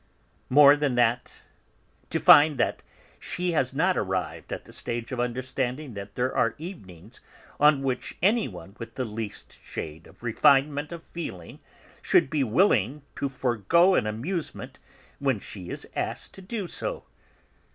More than that, to find that she has not arrived at the stage of understanding that there are evenings on which anyone with the least shade of refinement of feeling should be willing to forego an amusement when she is asked to do so.